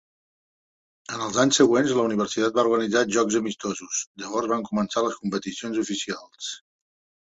En els anys següents, la universitat va organitzar jocs amistosos, llavors van començar les competicions oficials.